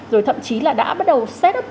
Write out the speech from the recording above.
rồi thậm chí là đã bắt đầu set up